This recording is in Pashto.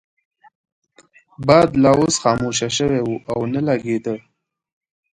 باد لا اوس خاموشه شوی وو او نه لګیده.